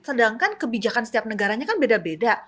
sedangkan kebijakan setiap negaranya kan beda beda